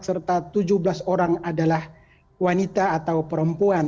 serta tujuh belas orang adalah wanita atau perempuan